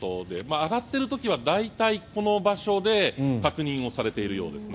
上がっている時は大体この場所で確認をされているようですね。